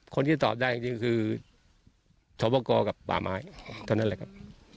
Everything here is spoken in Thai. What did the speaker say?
คนที่ตอบได้จริงคือสวปกรกับป่าไม้เท่านั้นแหละครับ